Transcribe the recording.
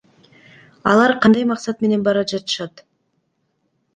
Алар кандай максат менен бара жатышат?